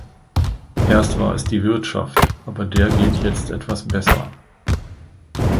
Erst war es die Wirtschaft, aber der geht jetzt etwas besser.